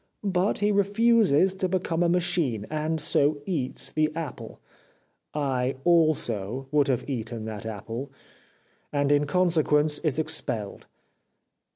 But he refuses to become a machine, and so eats the apple — I, also, would have eaten that apple — and in consequence is expelled.'